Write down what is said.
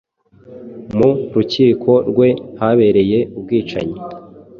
Mu rukiko rwe habereye ubwicanyi